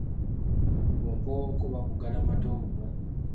Bumpowooko oba buggalamatu obumanyi?